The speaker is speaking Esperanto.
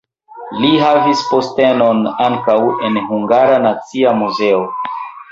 Li havis postenon ankaŭ en Hungara Nacia Muzeo.